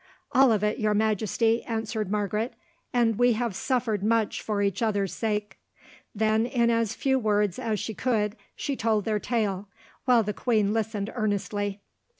"All of it, your Majesty," answered Margaret, "and we have suffered much for each other's sake." Then in as few words as she could she told their tale, while the queen listened earnestly.